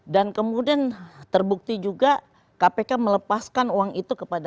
kemudian terbukti juga kpk melepaskan uang itu kepada